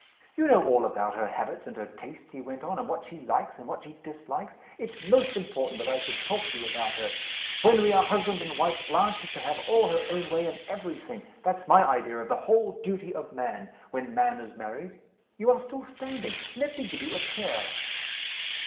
"You know all about her habits and her tastes," he went on, "and what she likes, and what she dislikes. It's most important that I should talk to you about her. When we are husband and wife, Blanche is to have all her own way in every thing. That's my idea of the Whole Duty of Man when Man is married. You are still standing? Let me give you a chair."